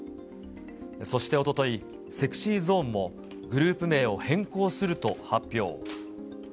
そしておととい、ＳｅｘｙＺｏｎｅも、グループ名を変更すると発表。